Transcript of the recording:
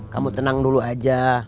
kamu tenang dulu aja